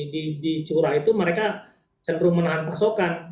di curah itu mereka cenderung menahan pasokan